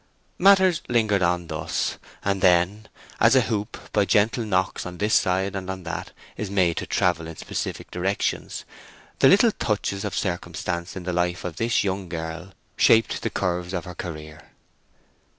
Matters lingered on thus. And then, as a hoop by gentle knocks on this side and on that is made to travel in specific directions, the little touches of circumstance in the life of this young girl shaped the curves of her career.